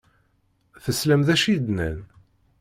Teslam d acu i d-nnan?